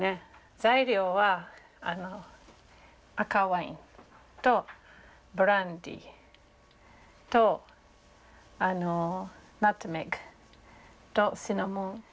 材料は赤ワインとブランデーとナツメグとシナモン。